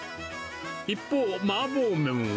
一方、麻婆麺は。